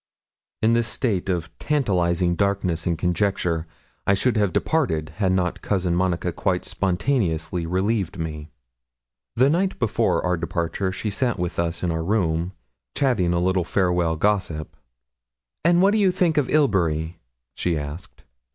In this state of tantalizing darkness and conjecture I should have departed, had not Cousin Monica quite spontaneously relieved me. The night before our departure she sat with us in our room, chatting a little farewell gossip. 'And what do you think of Ilbury?' she asked.